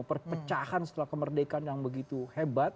perpecahan setelah kemerdekaan yang begitu hebat